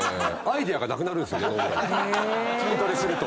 筋トレすると。